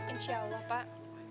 insya allah pak